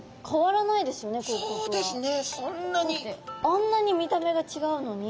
あんなに見た目が違うのに。